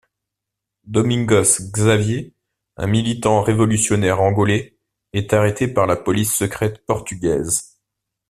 Domingos Xavier, un militant révolutionnaire angolais, est arrêté par la police secrète portugaise.